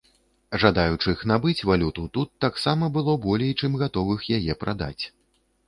Жадаючых набыць валюту тут таксама было болей, чым гатовых яе прадаць.